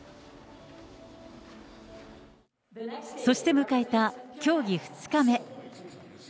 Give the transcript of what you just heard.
そして迎えた競技２日目。